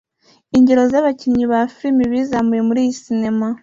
ingero z’Abakinnyi ba filimi bizamuye muri iyi cinema